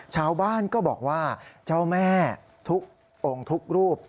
ชาวบ้านก็บอกว่าเจ้าแม่ทุกองค์ทุกรูป